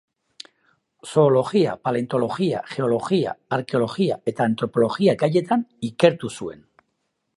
Zoologia, paleontologia, geologia, arkeologia eta antropologia gaietan ikertu zuen.